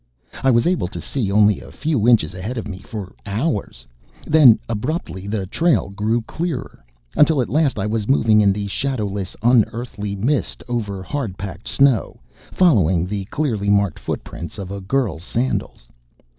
I was able to see only a few inches ahead of me for hours. Then, abruptly the trail grew clearer. Until, at last I was moving in the shadowless, unearthly mist over hard packed snow, following the clearly marked footprints of a girl's sandals.